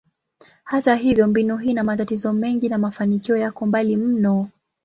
Hata hivyo, mbinu hii ina matatizo mengi na mafanikio yako mbali mno.